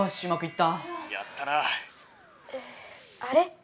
あれ？